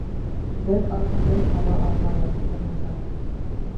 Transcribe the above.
Бер аҙ тын ала алмай ятты Муса.